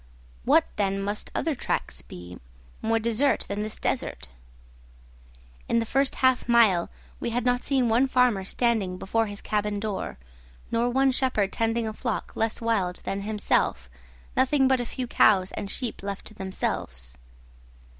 What, then, must other tracts be, more desert than this desert? In the first half mile we had not seen one farmer standing before his cabin door, nor one shepherd tending a flock less wild than himself, nothing but a few cows and sheep left to themselves.